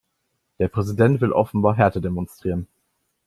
Der Präsident will offenbar Härte demonstrieren.